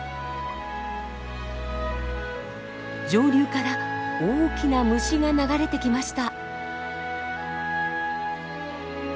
上流から大きな虫が流れてきました。